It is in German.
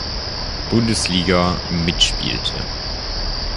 Bundesliga, mitspielte.